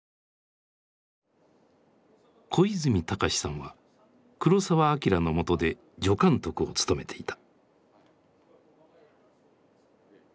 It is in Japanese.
小泉堯史さんは黒澤明のもとで助監督を務めていた。